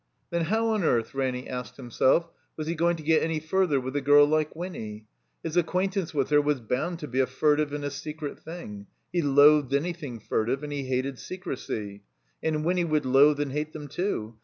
Then how on earth, Ranny asked himself, was he going to get any further with a girl like Winny? S8 THE COMBINED MAZE His acquaintance with her was bound to be a furtive and a secret thing. He loathed anjrthing furtive, and he hated secrecy. And Winny would loathe and hate them, too.